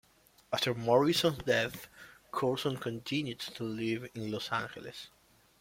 After Morrison's death, Courson continued to live in Los Angeles.